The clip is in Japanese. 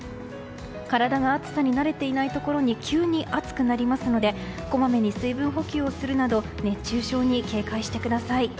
体が暑さに慣れていないところに急に暑くなりますのでこまめに水分補給をするなど熱中症に警戒してください。